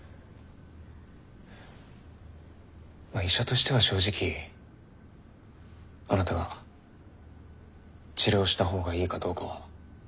医者としては正直あなたが治療したほうがいいかどうかは判断できません。